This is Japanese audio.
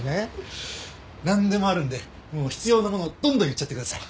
なんでもあるんで必要なものどんどん言っちゃってください。